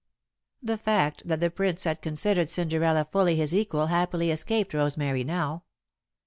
The fact that the Prince had considered Cinderella fully his equal happily escaped Rosemary now.